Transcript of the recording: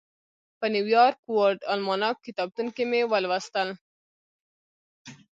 په نیویارک ورلډ الماناک کتابتون کې مې ولوستل.